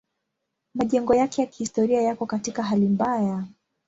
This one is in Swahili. Majengo yake ya kihistoria yako katika hali mbaya.